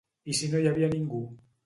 I si no hi havia ningú?